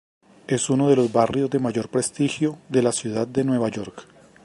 Es uno de los barrios de mayor prestigio de la ciudad de Nueva York.